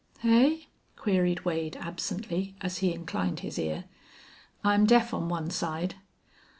"Hey?" queried Wade, absently, as he inclined his ear. "I'm deaf on one side."